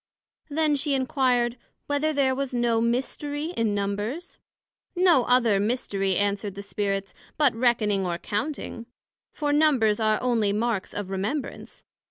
Then she inquired, Whether there was no mystery in Numbers? No other mystery, answered the Spirits, but reckoning or counting; for Numbers are onely marks of remembrance.